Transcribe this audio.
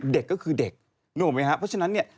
เด็กก็คือเด็กเพราะฉะนั้นเนี่ย